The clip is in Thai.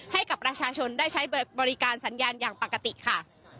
ให้กับประชาชนได้ใช้บริการสัญญาณอย่างปกติค่ะ